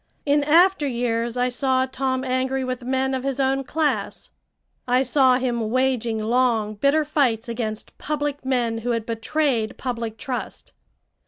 In after years I saw Tom angry with men of his own class; I saw him waging long, bitter fights against public men who had betrayed public trust.